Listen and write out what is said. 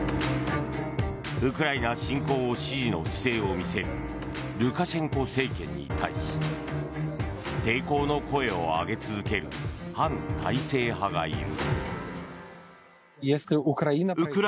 ウクライナ侵攻を支持の姿勢を見せる、ルカシェンコ政権に対し抵抗の声を上げ続ける反体制派がいる。